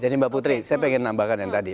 jadi mbak putri saya ingin menambahkan yang tadi